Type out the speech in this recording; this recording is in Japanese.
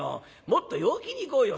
もっと陽気にいこうよ。